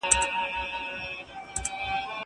که وخت وي، د کتابتون کتابونه لوستل کوم!